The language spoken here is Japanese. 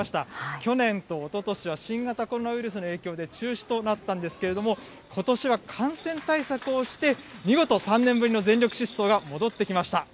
去年とおととしは新型コロナウイルスの影響で中止となったんですけれども、ことしは感染対策をして、見事、３年ぶりの全力疾走が戻ってきました。